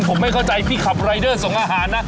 ผมไม่เข้าใจพี่ขับรายเดอร์ส่งอาหารนะ